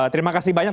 terima kasih banyak